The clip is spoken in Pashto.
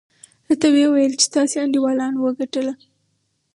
راته ویې ویل چې ستاسې انډیوالانو وګټله.